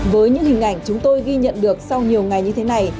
với những hình ảnh chúng tôi ghi nhận được sau nhiều ngày như thế này